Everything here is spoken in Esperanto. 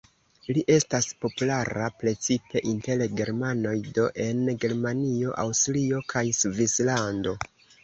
Li estas populara precipe inter germanoj, do en Germanio, Aŭstrio kaj Svislando.